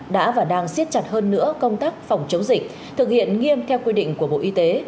đã và đang siết chặt hơn nữa công tác phòng chống dịch thực hiện nghiêm theo quy định của bộ y tế